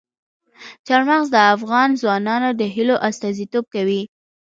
چار مغز د افغان ځوانانو د هیلو استازیتوب کوي.